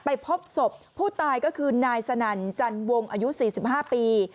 พบศพผู้ตายก็คือนายสนั่นจันวงอายุ๔๕ปี